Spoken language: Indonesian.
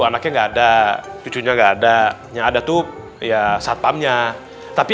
anaknya nggak ada cucunya nggak ada yang ada tuh ya satpamnya tapi